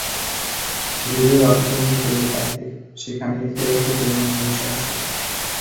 রুবেল অচেতন হয়ে পড়লে তাঁকে সেখানে ফেলে রেখে চলে যান পুলিশ সদস্যরা।